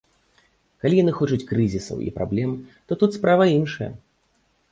Калі яны хочуць крызісаў і праблем, то тут справа іншая.